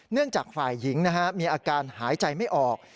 จากฝ่ายหญิงมีอาการหายใจไม่ออก